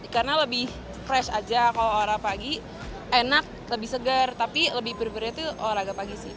karena lebih fresh aja kalau olahraga pagi enak lebih segar tapi lebih berberat itu olahraga pagi sih